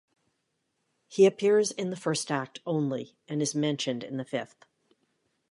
He appears in the first act only and is mentioned in the fifth.